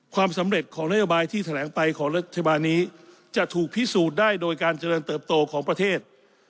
ความสำเร็จของนโยบายที่แถลงไปของรัฐบาลนี้จะถูกพิสูจน์ได้โดยการเจริญเติบโตของประเทศ